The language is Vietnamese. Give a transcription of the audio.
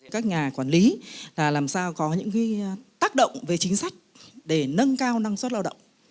các nhà quản lý là làm sao có những tác động về chính sách để nâng cao năng suất lao động